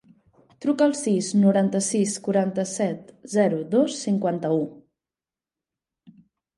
Truca al sis, noranta-sis, quaranta-set, zero, dos, cinquanta-u.